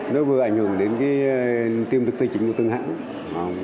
nó vừa ảnh hưởng đến tiêm thực tài chính của từng hãng